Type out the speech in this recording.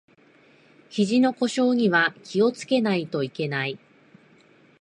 ひじの故障には気をつけないといけない